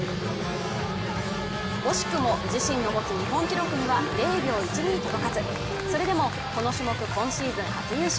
惜しくも自身の持つ日本記録には０秒１２届かずそれでも、この種目今シーズン初優勝。